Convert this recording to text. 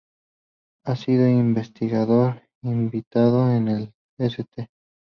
Ha sido investigador invitado en el St.